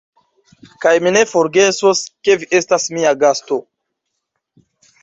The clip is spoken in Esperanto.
Kaj mi ne forgesos, ke vi estas mia gasto!